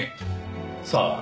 さあ？